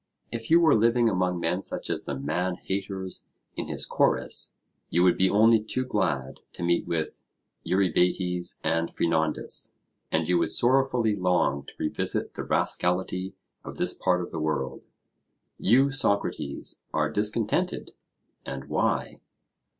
If you were living among men such as the man haters in his Chorus, you would be only too glad to meet with Eurybates and Phrynondas, and you would sorrowfully long to revisit the rascality of this part of the world. You, Socrates, are discontented, and why?